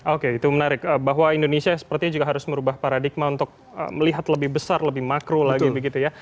oke itu menarik bahwa indonesia sepertinya juga harus merubah paradigma untuk melihat lebih besar lebih makro lagi begitu ya